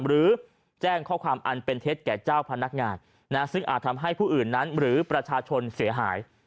หรือแจ้งข้อความอันเป็นเท็จแก่เจ้าพนักงานซึ่งอาจทำให้ผู้อื่นนั้นหรือประชาชนเสียหาย